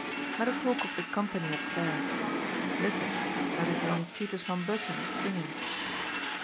Let us talk of the company upstairs. Listen, that is young Titus van Bussen singing